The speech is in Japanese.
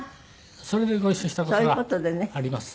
それでご一緒した事があります。